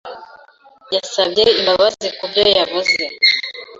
yasabye imbabazi kubyo yavuze.